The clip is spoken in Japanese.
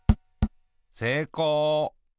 せいこう。